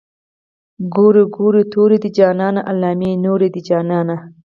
ګورګورې تورې دي جانانه علامې نورې دي جانانه.